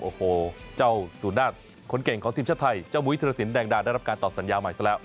โอ้โหเจ้าสูนาศคนเก่งของทีมชาติไทยเจ้ามุยธิรสินแดงดาได้รับการตอบสัญญาใหม่ซะแล้ว